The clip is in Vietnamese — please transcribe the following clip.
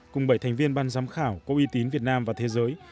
cùng bảy thành viên ban giám khảo có uy tín việt nam và thế giới